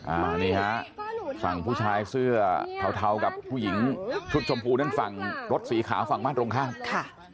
อันนี้ฟังผู้ชายเสื้อเทากับผู้หญิงชุดชมพูด้านฝั่งรถสีขาวฝั่งบ้านตรงข้าง